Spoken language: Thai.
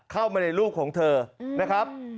เข้ามาในลูกของเธอนะครับ